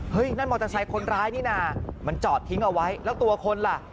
นั่นมอเตอร์ไซค์คนร้ายนี่น่ะมันจอดทิ้งเอาไว้แล้วตัวคนล่ะ